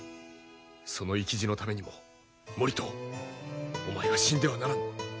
その意気地のためにも盛遠お前は死んではならぬ。